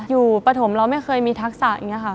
ปฐมเราไม่เคยมีทักษะอย่างนี้ค่ะ